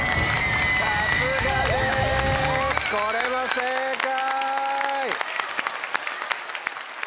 さすがですこれも正解！